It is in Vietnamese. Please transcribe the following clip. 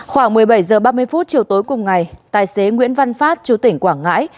khoảng một mươi bảy h ba mươi chiều tối cùng ngày tài xế nguyễn văn phát chú tỉnh quảng ngãi